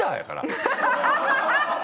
ハハハハ！